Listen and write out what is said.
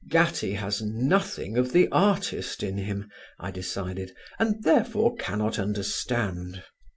"Gattie has nothing of the artist in him," I decided, "and therefore cannot understand."